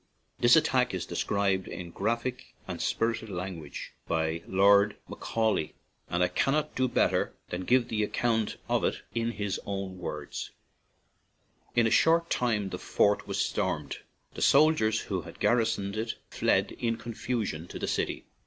This attack is described in graphic and spirited language by Lord Macaulay, and I cannot do better than give the account of it in his own words : "In a short time the fort was stormed. The soldiers who had garrisoned it fled in confusion to the city.